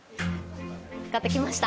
買ってきました。